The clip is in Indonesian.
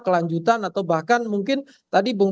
kelanjutan atau bahkan mungkin tadi bung